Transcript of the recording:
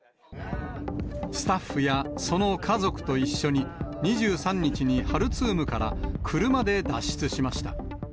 スタッフやその家族と一緒に、２３日にハルツームから車で脱出しました。